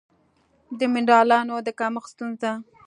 د مېنرالونو د کمښت ستونزه